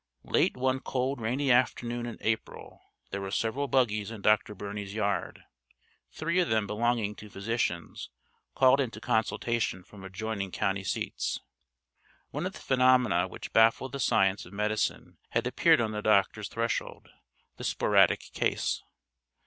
Late one cold rainy afternoon in April there were several buggies in Dr. Birney's yard, three of them belonging to physicians called into consultation from adjoining county seats. One of the phenomena which baffle the science of medicine had appeared on the doctor's threshold the sporadic case.